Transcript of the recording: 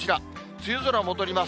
梅雨空戻ります。